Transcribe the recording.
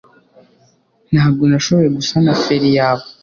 Ntabwo nashoboye gusana feri yawe,